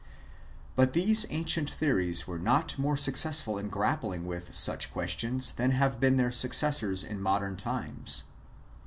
But these ancient theorists were not more successful in grappling with such questions than have been their successors in modern times.